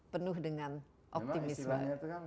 penuh dengan optimisme